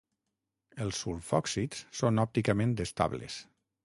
Els sulfòxids són òpticament estables.